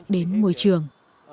đến môi trường